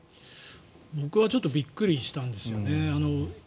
僕はちょっとびっくりしたんですよね。